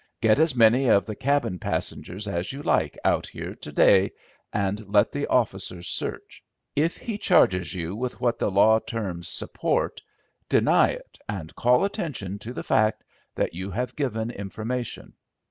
Get as many of the cabin passengers as you like out here, to day, and let the officers search. If he charges you with what the law terms support, deny it, and call attention to the fact that you have given information.